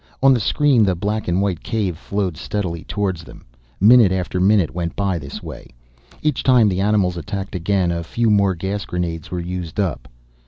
On the screen the black and white cave flowed steadily towards them. Minute after minute went by this way. Each time the animals attacked again, a few more gas grenades were used up.